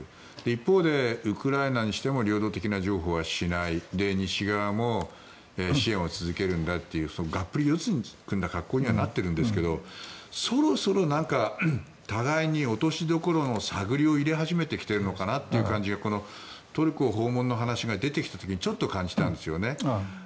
一方でウクライナにしても領土的な譲歩はしない西側も支援を続けるんだとがっぷり四つに組んだ様相にはなっているんですがそろそろ互いに落としどころの探り合いを入れてきているのかなとこのトルコ訪問の話が出てきた時に感じたんですよね。